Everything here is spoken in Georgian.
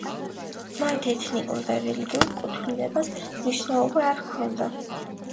მათ ეთნიკურ და რელიგიურ კუთვნილებას მნიშვნელობა არ ჰქონდა.